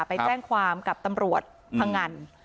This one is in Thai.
ไปแจ้งความกับตำรวจพังงัน